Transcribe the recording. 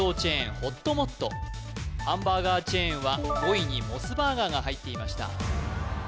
ほっともっとハンバーガーチェーンは５位にモスバーガーが入っていました